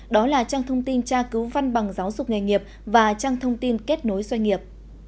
đó là trang thông tin tra cứu văn bằng giáo dục nghề nghiệp và trang thông tin kết nối doanh nghiệp